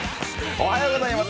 おはようございます。